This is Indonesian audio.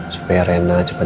supaya reina cepat